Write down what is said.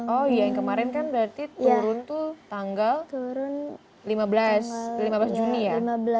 oh iya yang kemarin kan berarti turun tuh tanggal lima belas juni ya